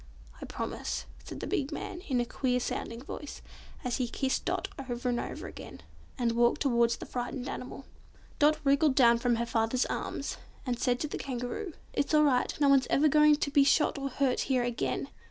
"I promise," said the big man, in a queer sounding voice, as he kissed Dot over and over again, and walked towards the frightened animal. Dot wriggled down from her father's arms, and said to the Kangaroo, "It's all right; no one's ever going to be shot or hurt here again!"